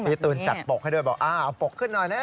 ตูนจัดปกให้ด้วยบอกอ้าวปกขึ้นหน่อยนะ